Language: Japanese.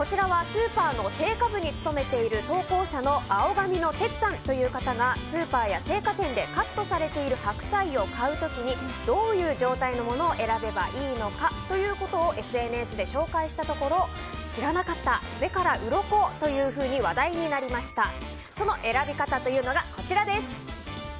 こちらはスーパーの青果部に務めている投稿者の青髪のテツさんという方がスーパーや青果店でカットされている白菜を買う時にどういう状態のものを選べばいいのかということをＳＮＳで紹介したところ知らなかった目からうろこというように話題になりました。